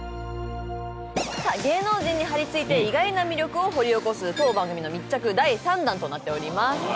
芸能人に張り付いて意外な魅力を掘り起こす当番組の密着第３弾となっております